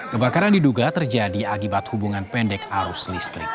kebakaran diduga terjadi akibat hubungan pendek arus listrik